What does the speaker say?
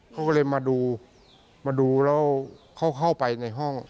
เขาก็เลยมาดูมาดูแล้วเขาเข้าไปในห้อง